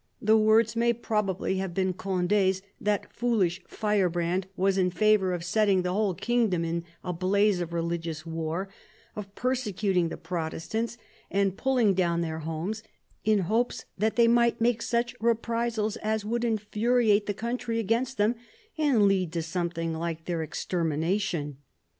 The words may probably have been Condi's : that foolish firebrand was in favour of setting the whole kingdom in a blaze of religious war, of persecuting the Protestants and pulling down their houses, in hopes that they might make such reprisals as would infuriate the country against them and lead to something like their extermination.